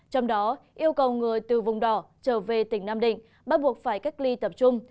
trong đó yêu cầu người từ vùng đỏ trở về tỉnh nam định bắt buộc phải cách ly tập trung